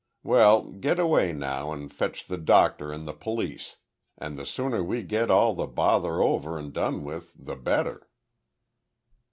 Well, get away now and fetch the doctor and the police, and the sooner we get all the bother over and done with the better."